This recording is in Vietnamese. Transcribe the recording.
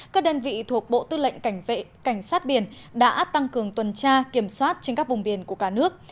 các đơn vị thuộc bộ tư lệnh cảnh sát biển đã tăng cường tuần tra kiểm soát trên các vùng biển của cả nước